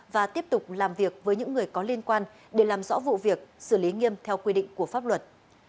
và tiếp tục làm việc với những người có liên quan để làm rõ vụ việc xử lý nghiêm theo quy định của pháp luật